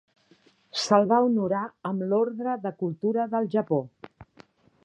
Se'l va honorar amb l'Ordre de Cultura del Japó.